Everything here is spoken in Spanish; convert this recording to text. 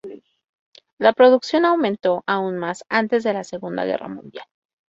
La producción aumentó aún más antes de la Segunda Guerra Mundial.